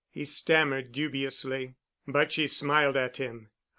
he stammered dubiously. But she smiled at him.